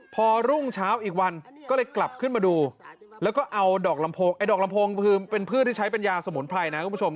พอรุ่งเช้าอีกวันก็เลยกลับขึ้นมาดูแล้วก็เอาดอกลำโพงไอ้ดอกลำโพงคือเป็นพืชที่ใช้เป็นยาสมุนไพรนะคุณผู้ชม